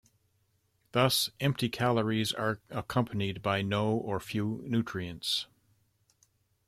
Thus empty calories are accompanied by no or few nutrients.